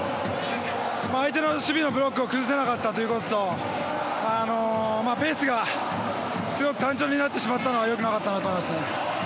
相手の守備のブロックを崩せなかったということとペースがすごく単調になってしまったのはよくなかったなと思いますね。